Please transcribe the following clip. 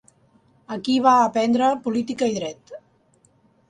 Aquí va aprendre política i dret.